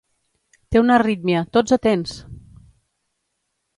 Té una arrítmia, tots atents!